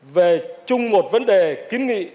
về chung một vấn đề kiến nghị